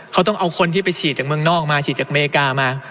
เขาต้องเอาคนที่ไปฉีดจากเมืองนอกมาฉีดจากอเมริกามา